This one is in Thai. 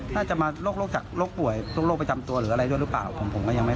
นายชายเชศปินคล้ายอายุ๔๘ปีชาวบ้านบอกว่า